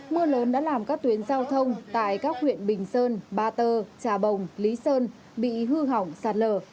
mưa lớn đã làm các tuyến giao thông tại các huyện bình sơn ba tơ trà bồng lý sơn bị hư hỏng sạt lở